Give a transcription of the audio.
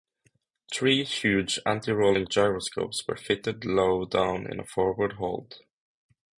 Three huge anti-rolling gyroscopes were fitted low down in a forward hold.